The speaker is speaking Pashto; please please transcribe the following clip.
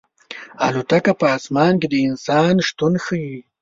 الوتکه په اسمان کې د انسان شتون ښيي.